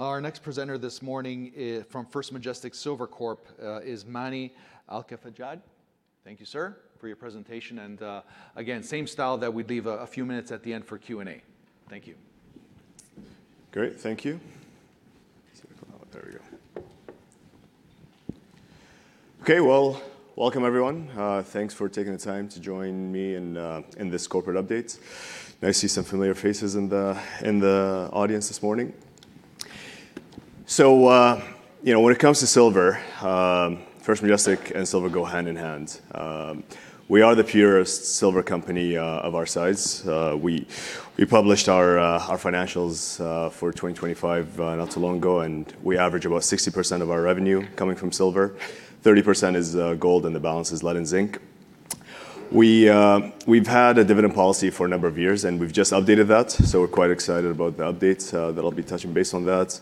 Our next presenter this morning is from First Majestic Silver Corp., is Mani Alkhafaji. Thank you, sir, for your presentation. Again, same style that we leave a few minutes at the end for Q&A. Thank you. Great. Thank you. There we go. Okay. Well, welcome, everyone. Thanks for taking the time to join me in this corporate update. I see some familiar faces in the audience this morning. When it comes to silver, First Majestic and silver go hand in hand. We are the purest silver company of our size. We published our financials for 2025 not too long ago, and we average about 60% of our revenue coming from silver, 30% is gold, and the balance is lead and zinc. We've had a dividend policy for a number of years, and we've just updated that, so we're quite excited about the update. That'll be touching base on that.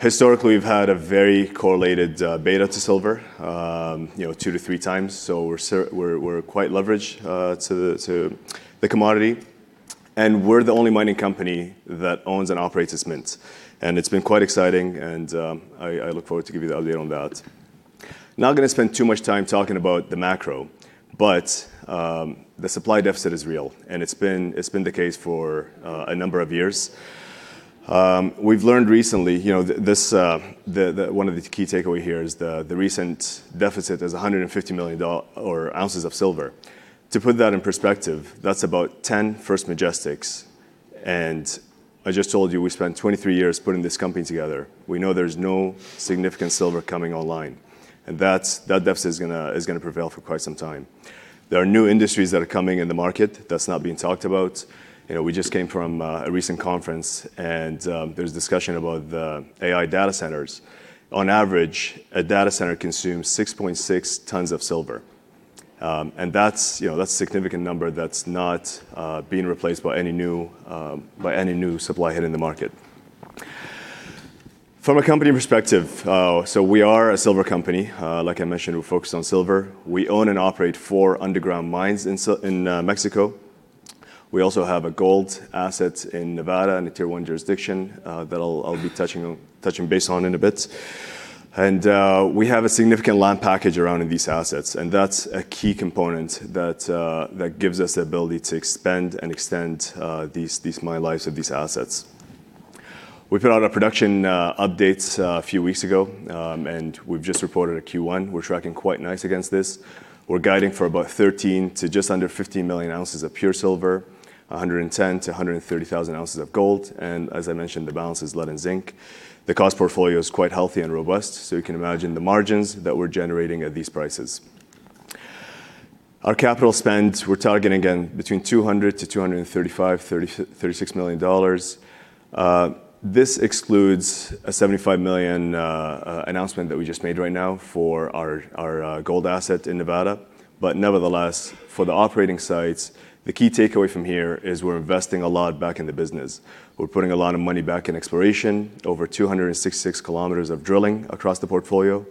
Historically, we've had a very correlated beta to silver 2x-3x. We're quite leveraged to the commodity, and we're the only mining company that owns and operates this mint, and it's been quite exciting and I look forward to give you the update on that. Not going to spend too much time talking about the macro, but the supply deficit is real and it's been the case for a number of years. We've learned recently, one of the key takeaway here is the recent deficit is 150 million ounces of silver. To put that in perspective, that's about 10 First Majestics, and I just told you we spent 23 years putting this company together. We know there's no significant silver coming online, and that deficit is going to prevail for quite some time. There are new industries that are coming in the market that's not being talked about. We just came from a recent conference and there's discussion about the AI data centers. On average, a data center consumes 6.6 tons of silver, and that's a significant number that's not being replaced by any new supply hitting the market. From a company perspective, so we are a silver company. Like I mentioned, we're focused on silver. We own and operate four underground mines in Mexico. We also have a gold asset in Nevada and a Tier 1 jurisdiction that I'll be touching base on in a bit. We have a significant land package around in these assets, and that's a key component that gives us the ability to expand and extend these mine lives of these assets. We put out our production updates a few weeks ago, and we've just reported at Q1. We're tracking quite nice against this. We're guiding for about 13 million-just under 15 million ounces of pure silver, 110,000-130,000 ounces of gold, and as I mentioned, the balance is lead and zinc. The cost portfolio is quite healthy and robust. You can imagine the margins that we're generating at these prices. Our capital spend, we're targeting again between $200 million-$236 million. This excludes a $75 million announcement that we just made right now for our gold asset in Nevada. Nevertheless, for the operating sites, the key takeaway from here is we're investing a lot back in the business. We're putting a lot of money back in exploration, over 266 km of drilling across the portfolio.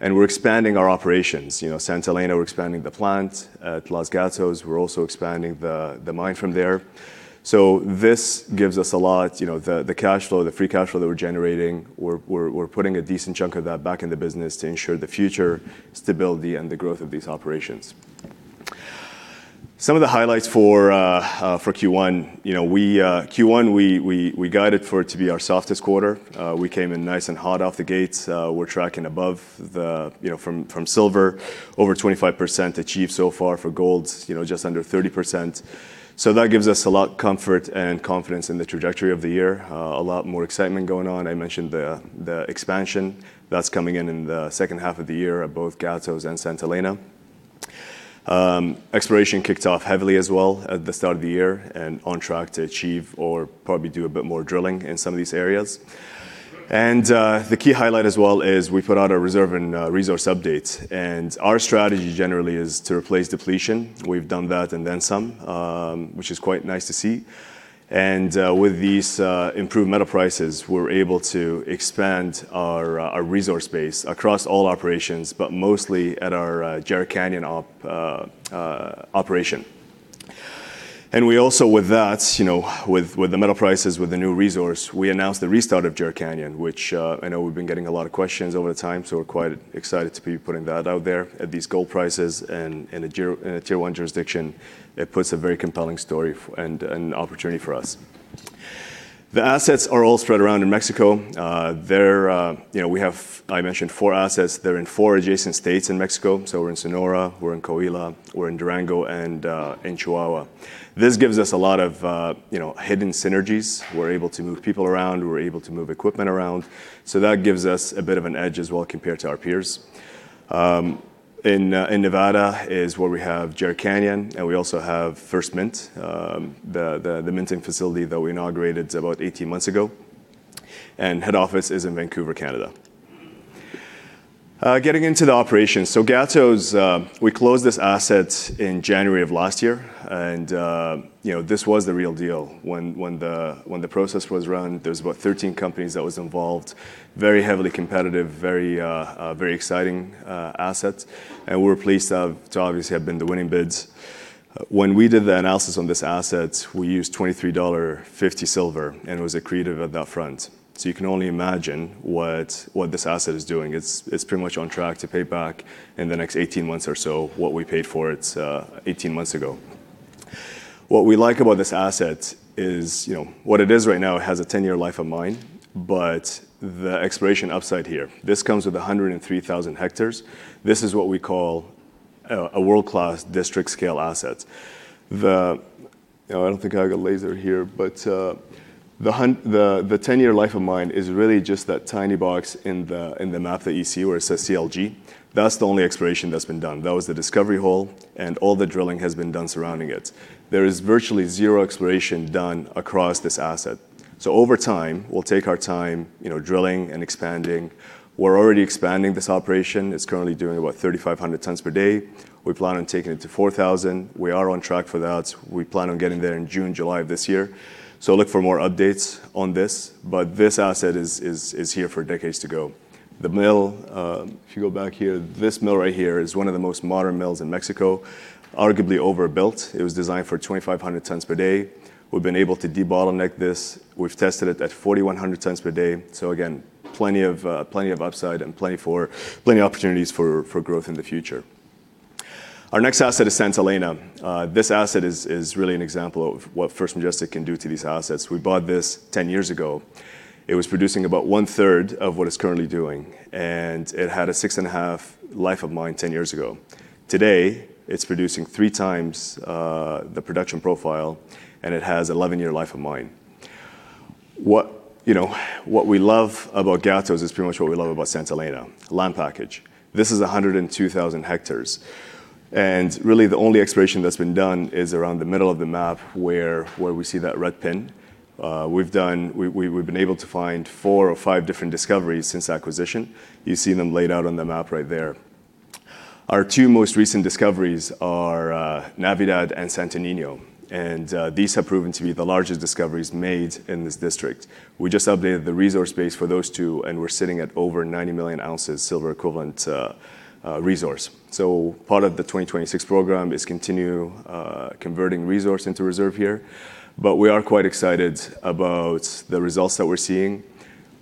We're expanding our operations. Santa Elena, we're expanding the plant. At Los Gatos, we're also expanding the mine from there. So this gives us a lot, the cash flow, the free cash flow that we're generating, we're putting a decent chunk of that back in the business to ensure the future stability and the growth of these operations. Some of the highlights for Q1 we guided for it to be our softest quarter. We came in nice and hot off the gates. We're tracking above from silver, over 25% achieved so far for gold, just under 30%. So that gives us a lot comfort and confidence in the trajectory of the year. A lot more excitement going on. I mentioned the expansion that's coming in in the second half of the year at both Gatos and Santa Elena. Exploration kicked off heavily as well at the start of the year and on track to achieve or probably do a bit more drilling in some of these areas. The key highlight as well is we put out a reserve and resource update, and our strategy generally is to replace depletion. We've done that and then some, which is quite nice to see. With these improved metal prices, we're able to expand our resource base across all operations, but mostly at our Jerritt Canyon operation. We also with that, with the metal prices, with the new resource, we announced the restart of Jerritt Canyon, which I know we've been getting a lot of questions over the time, so we're quite excited to be putting that out there at these gold prices and in a Tier 1 jurisdiction. It puts a very compelling story and an opportunity for us. The assets are all spread around in Mexico. We have, I mentioned, four assets. They're in four adjacent states in Mexico, so we're in Sonora, we're in Coahuila, we're in Durango, and in Chihuahua. This gives us a lot of hidden synergies. We're able to move people around, we're able to move equipment around. So that gives us a bit of an edge as well compared to our peers. In Nevada is where we have Jerr Canyon, and we also have First Mint, the minting facility that we inaugurated about 18 months ago. And head office is in Vancouver, Canada. Getting into the operations, so Gatos, we closed this asset in January of last year, and this was the real deal. When the process was run, there was about 13 companies that was involved, very heavily competitive, very exciting asset, and we're pleased to obviously have been the winning bids. When we did the analysis on this asset, we used $23.50 silver, and it was accretive at that front. You can only imagine what this asset is doing. It's pretty much on track to pay back in the next 18 months or so what we paid for it 18 months ago. What we like about this asset is what it is right now, it has a 10-year life of mine, but the exploration upside here. This comes with 103,000 hectares. This is what we call a world-class district-scale asset. I don't think I got a laser here, but the 10-year life of mine is really just that tiny box in the map that you see where it says CLG. That's the only exploration that's been done. That was the discovery hole, and all the drilling has been done surrounding it. There is virtually zero exploration done across this asset. Over time, we'll take our time drilling and expanding. We're already expanding this operation. It's currently doing about 3,500 tons per day. We plan on taking it to 4,000. We are on track for that. We plan on getting there in June, July of this year. Look for more updates on this, but this asset is here for decades to go. The mill, if you go back here, this mill right here is one of the most modern mills in Mexico, arguably overbuilt. It was designed for 2,500 tons per day. We've been able to de-bottleneck this. We've tested it at 4,100 tons per day. Again, plenty of upside and plenty opportunities for growth in the future. Our next asset is Santa Elena. This asset is really an example of what First Majestic can do to these assets. We bought this 10 years ago. It was producing about 1/3 of what it's currently doing, and it had a 6.5 life of mine 10 years ago. Today, it's producing 3 times the production profile, and it has 11-year life of mine. What we love about Gatos is pretty much what we love about Santa Elena. Land package. This is 102,000 hectares. Really the only exploration that's been done is around the middle of the map where we see that red pin. We've been able to find four or five different discoveries since acquisition. You see them laid out on the map right there. Our two most recent discoveries are Navidad and Santo Niño, and these have proven to be the largest discoveries made in this district. We just updated the resource base for those two, and we're sitting at over 90 million ounces silver equivalent resource. So part of the 2026 program is continue converting resource into reserve here, but we are quite excited about the results that we're seeing.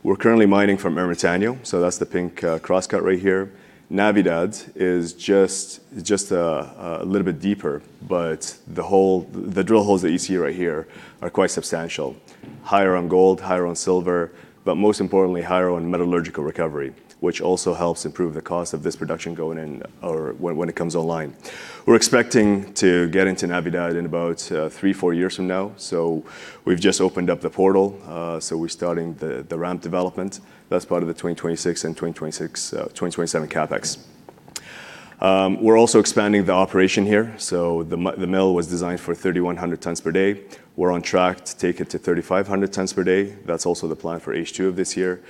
We're currently mining from Ermitaño. So that's the pink cross-cut right here. Navidad is just a little bit deeper, but the drill holes that you see right here are quite substantial. Higher on gold, higher on silver, but most importantly, higher on metallurgical recovery, which also helps improve the cost of this production when it comes online. We're expecting to get into Navidad in about three, four years from now. So we've just opened up the portal, so we're starting the ramp development. That's part of the 2026 and 2027 CapEx. We're also expanding the operation here. So the mill was designed for 3,100 tons per day. We're on track to take it to 3,500 tons per day. That's also the plan for H2 of this year.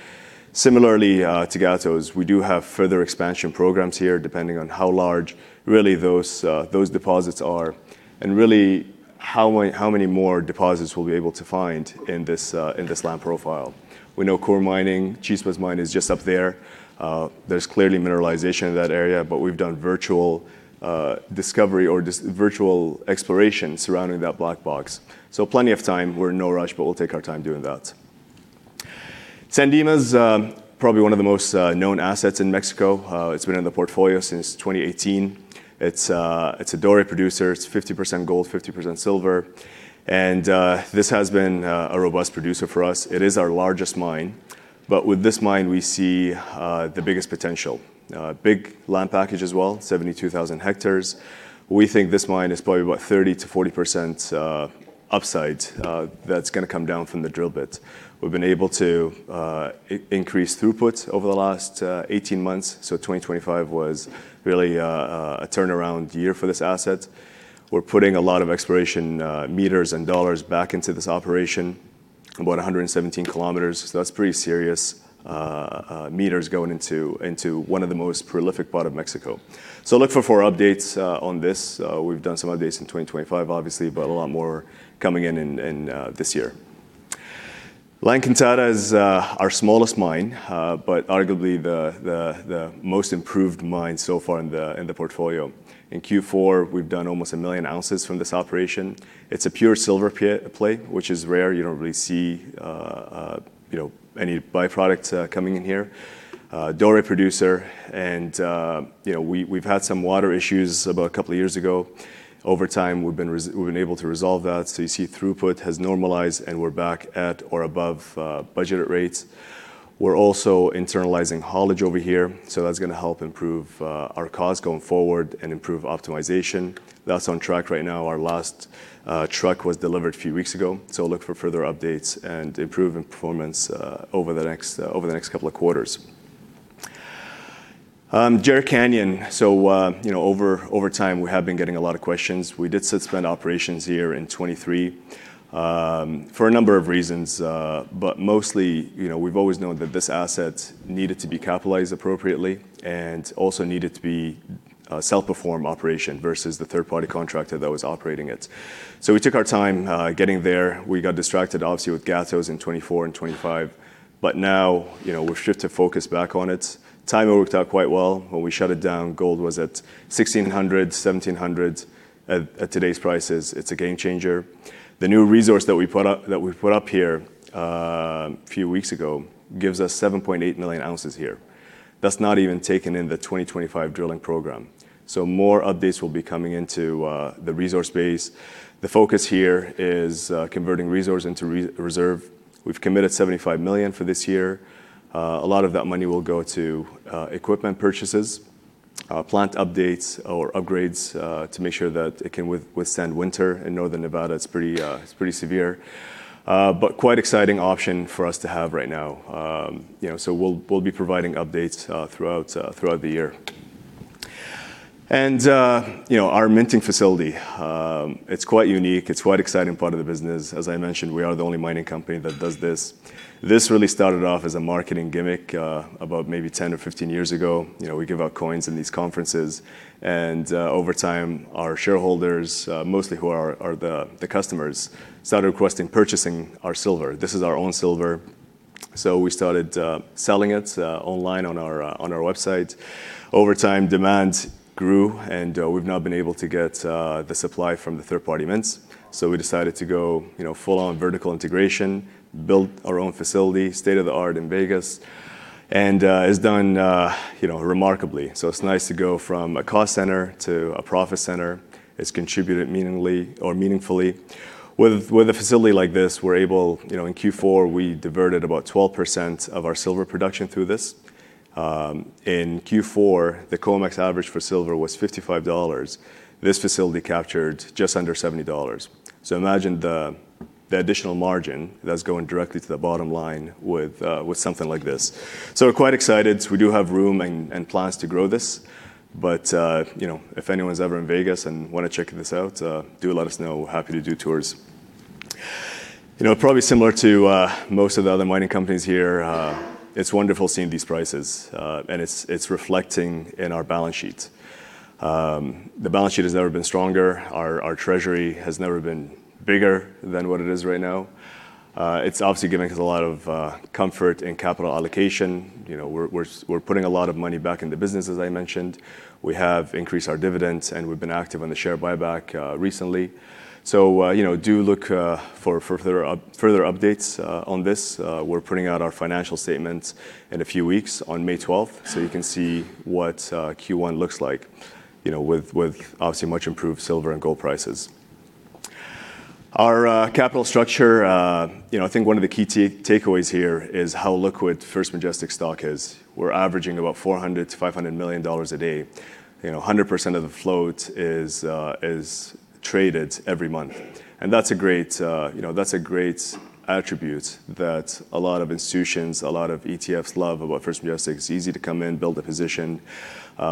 Similarly to Gatos, we do have further expansion programs here, depending on how large really those deposits are and really how many more deposits we'll be able to find in this land profile. We know Coeur Mining, Chispas mine is just up there. There's clearly mineralization in that area, but we've done virtual discovery or virtual exploration surrounding that black box. Plenty of time. We're in no rush, but we'll take our time doing that. San Dimas, probably one of the most known assets in Mexico. It's been in the portfolio since 2018. It's a doré producer. It's 50% gold, 50% silver. This has been a robust producer for us. It is our largest mine. With this mine, we see the biggest potential. Big land package as well, 72,000 hectares. We think this mine is probably about 30%-40% upside that's going to come down from the drill bit. We've been able to increase throughput over the last 18 months. 2025 was really a turnaround year for this asset. We're putting a lot of exploration meters and dollars back into this operation, about 117 km. That's pretty serious meters going into one of the most prolific part of Mexico. Look for updates on this. We've done some updates in 2025, obviously, but a lot more coming in this year. La Encantada is our smallest mine, but arguably the most improved mine so far in the portfolio. In Q4, we've done almost 1 million ounces from this operation. It's a pure silver play, which is rare. You don't really see any by-product coming in here. We are a doré producer. We've had some water issues about a couple of years ago. Over time, we've been able to resolve that. You see throughput has normalized and we're back at or above budgeted rates. We're also internalizing haulage over here, so that's going to help improve our cost going forward and improve optimization. That's on track right now. Our last truck was delivered a few weeks ago, so look for further updates and improvement performance over the next couple of quarters. Jerritt Canyon. Over time, we have been getting a lot of questions. We did suspend operations here in 2023 for a number of reasons. Mostly, we've always known that this asset needed to be capitalized appropriately and also needed to be a self-perform operation versus the third-party contractor that was operating it. We took our time getting there. We got distracted, obviously, with Gatos in 2024 and 2025, but now we've shifted focus back on it. Timing worked out quite well. When we shut it down, gold was at $1,600, $1,700. At today's prices, it's a game changer. The new resource that we put up here a few weeks ago gives us 7.8 million ounces here. That's not even taking in the 2025 drilling program. More updates will be coming into the resource base. The focus here is converting resource into reserve. We've committed $75 million for this year. A lot of that money will go to equipment purchases, plant updates or upgrades to make sure that it can withstand winter in northern Nevada. It's pretty severe. It's a quite exciting option for us to have right now. We'll be providing updates throughout the year. Our minting facility, it's quite unique. It's quite exciting part of the business. As I mentioned, we are the only mining company that does this. This really started off as a marketing gimmick about maybe 10 or 15 years ago. We give out coins in these conferences, and over time, our shareholders, mostly who are the customers, started requesting purchasing our silver. This is our own silver, so we started selling it online on our website. Over time, demand grew, and we've now been able to get the supply from the third-party mints. We decided to go full on vertical integration, built our own facility, state-of-the-art in Vegas, and it's done remarkably. It's nice to go from a cost center to a profit center. It's contributed meaningfully. With a facility like this, in Q4, we diverted about 12% of our silver production through this. In Q4, the COMEX average for silver was $55. This facility captured just under $70. Imagine the additional margin that's going directly to the bottom line with something like this. We're quite excited. We do have room and plans to grow this, but if anyone's ever in Vegas and want to check this out, do let us know, happy to do tours. Probably similar to most of the other mining companies here, it's wonderful seeing these prices, and it's reflecting in our balance sheet. The balance sheet has never been stronger. Our treasury has never been bigger than what it is right now. It's obviously giving us a lot of comfort in capital allocation. We're putting a lot of money back in the business, as I mentioned. We have increased our dividends, and we've been active on the share buyback recently. Do look for further updates on this. We're putting out our financial statements in a few weeks on May 12th, so you can see what Q1 looks like with obviously much improved silver and gold prices. Our capital structure, I think one of the key takeaways here is how liquid First Majestic stock is. We're averaging about $400 million-$500 million a day. 100% of the float is traded every month. That's a great attribute that a lot of institutions, a lot of ETFs love about First Majestic. It's easy to come in, build a position,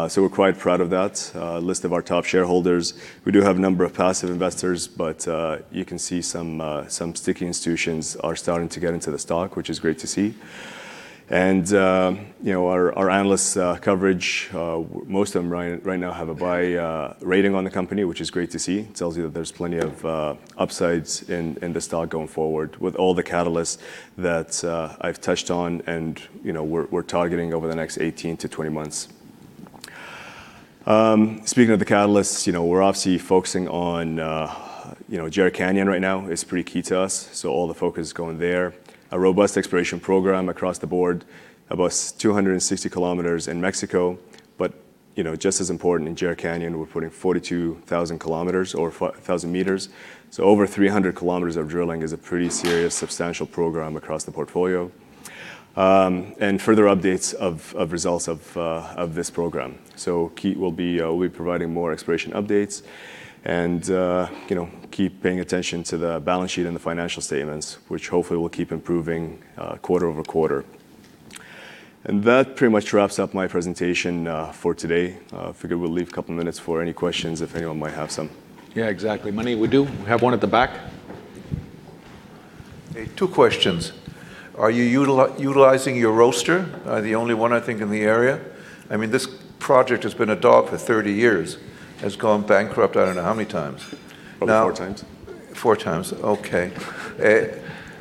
so we're quite proud of that. List of our top shareholders. We do have a number of passive investors, but you can see some sticky institutions are starting to get into the stock, which is great to see. Our analysts' coverage, most of them right now have a buy rating on the company, which is great to see. It tells you that there's plenty of upsides in the stock going forward with all the catalysts that I've touched on and we're targeting over the next 18-20 months. Speaking of the catalysts, we're obviously focusing on Jerritt Canyon right now. It's pretty key to us, so all the focus is going there. A robust exploration program across the board, about 260 km in Mexico, but just as important in Jerritt Canyon, we're putting 42,000 m or 4,000 m. Over 300 km of drilling is a pretty serious, substantial program across the portfolio, and further updates of results of this program. Keith will be providing more exploration updates and keep paying attention to the balance sheet and the financial statements, which hopefully will keep improving quarter-over-quarter. That pretty much wraps up my presentation for today. Figure we'll leave a couple of minutes for any questions if anyone might have some. Yeah, exactly. Mani, we do have one at the back. Two questions. Are you utilizing your roaster, the only one I think in the area? This project has been a dog for 30 years, has gone bankrupt I don't know how many times now. About four times. Four times. Okay.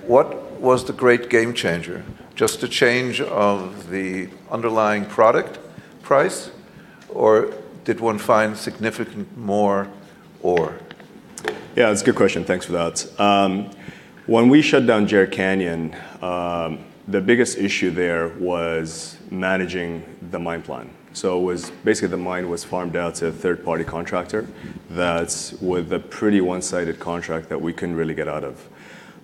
What was the great game changer? Just a change of the underlying product price, or did one find significant more ore? Yeah, that's a good question. Thanks for that. When we shut down Jerritt Canyon, the biggest issue there was managing the mine plan. Basically, the mine was farmed out to a third-party contractor with a pretty one-sided contract that we couldn't really get out of.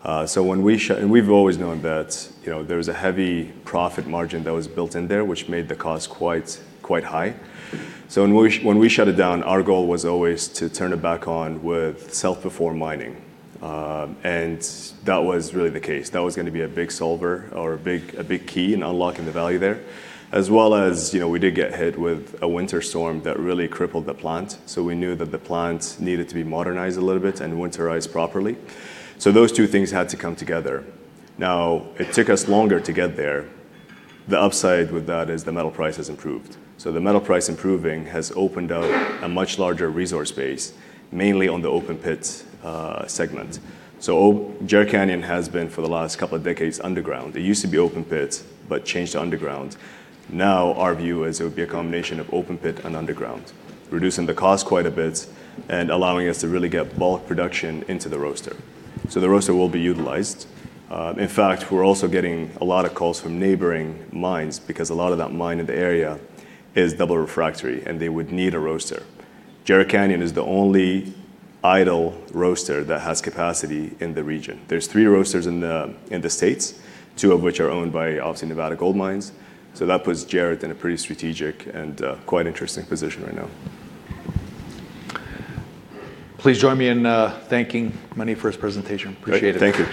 We've always known that there was a heavy profit margin that was built in there, which made the cost quite high. When we shut it down, our goal was always to turn it back on with self-performed mining. That was really the case. That was going to be a big solver or a big key in unlocking the value there. As well as we did get hit with a winter storm that really crippled the plant. We knew that the plant needed to be modernized a little bit and winterized properly. Those two things had to come together. Now, it took us longer to get there. The upside with that is the metal price has improved. The metal price improving has opened up a much larger resource base, mainly on the open pit segment. Jerritt Canyon has been, for the last couple of decades, underground. It used to be open pit, but changed to underground. Now our view is it would be a combination of open pit and underground, reducing the cost quite a bit and allowing us to really get bulk production into the roaster. The roaster will be utilized. In fact, we're also getting a lot of calls from neighboring mines because a lot of that mine in the area is double refractory, and they would need a roaster. Jerritt Canyon is the only idle roaster that has capacity in the region. There's three roasters in the States, two of which are owned by, obviously, Nevada Gold Mines. That puts Jerritt Canyon in a pretty strategic and quite interesting position right now. Please join me in thanking Mani for his presentation. Appreciate it. Thank you.